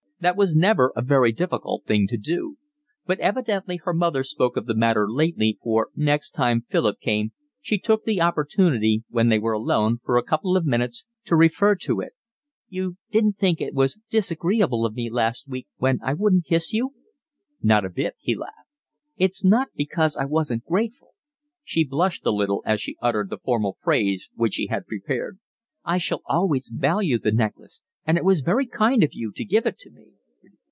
That was never a very difficult thing to do. But evidently her mother spoke of the matter later, for next time Philip came she took the opportunity when they were alone for a couple of minutes to refer to it. "You didn't think it disagreeable of me last week when I wouldn't kiss you?" "Not a bit," he laughed. "It's not because I wasn't grateful." She blushed a little as she uttered the formal phrase which she had prepared. "I shall always value the necklace, and it was very kind of you to give it me."